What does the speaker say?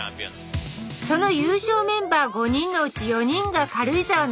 その優勝メンバー５人のうち４人が軽井沢のクラブに所属。